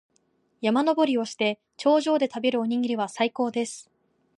山登りをして、頂上で食べるおにぎりは最高です。